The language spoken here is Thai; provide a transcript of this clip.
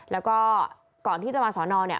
แล้วก็ก่อนที่จะมาสอนอเนี่ย